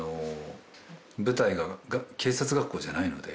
「舞台が警察学校じゃないので」